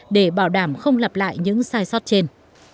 để bảo đảm không lặp lại những sai sót trên